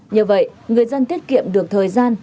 như vậy người dân tiết kiệm được thời gian